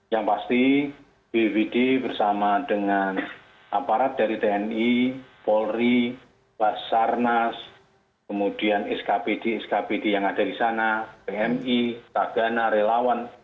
yang pasti bwd bersama dengan aparat dari tni polri basarnas kemudian skpd skpd yang ada di sana pmi tagana relawan